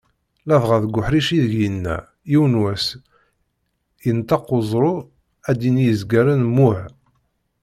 Ladɣa deg uḥric ideg yenna, "Yiwen wass yenṭeq uẓru, ad d-yini i yizgaren mmuh".